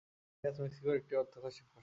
এ গাছ মেক্সিকোর একটি অর্থকরী ফসল।